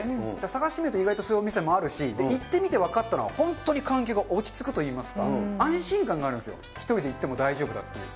探してみると意外とそういうお店あるかもしれないし、行ってみて分かったのは、本当に環境が落ち着くといいますか、安心感があるんですよ、１人で行っても大丈夫だっていう。